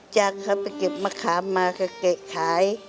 จ้างครับไปเก็บมะขามมาก็เกะขาย